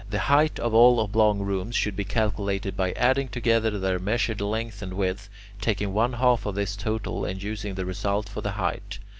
The height of all oblong rooms should be calculated by adding together their measured length and width, taking one half of this total, and using the result for the height.